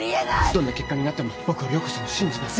どんな結果になっても僕は涼子さんを信じます。